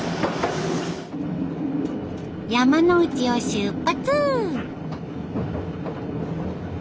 山ノ内を出発！